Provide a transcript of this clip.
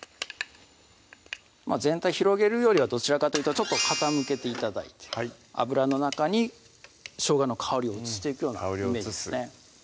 全体広げるよりはどちらかというと傾けて頂いて油の中にしょうがの香りを移していくようなイメージですね